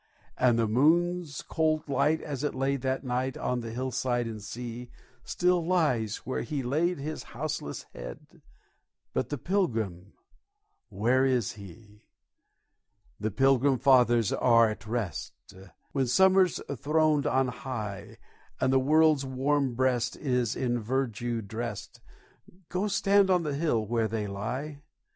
And the moon's cold light, as it lay that night On the hillside and the sea, Still lies where he laid his houseless head, But the Pilgrim! where is he? The Pilgrim Fathers are at rest: When summer's throned on high, And the world's warm breast is in verdure drest, Go, stand on the hill where they lie.